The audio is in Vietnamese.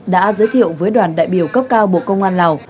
đã giới thiệu với đoàn đại biểu cấp cao bộ công an lào